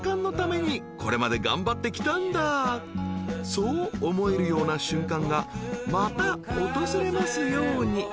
［そう思えるような瞬間がまた訪れますように］